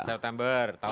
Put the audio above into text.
september tahun depan